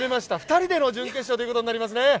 ２人での準決勝ということになりますね。